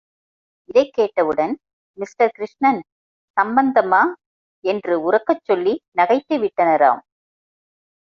இதைக் கேட்டவுடன் மிஸ்டர் கிருஷ்ணன் சம்பந்தமா! என்று உரக்கச் சொல்லி நகைத்துவிட்டனராம்.